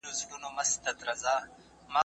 مصرف مې د خپل جېب د وس مطابق عیار کړی دی.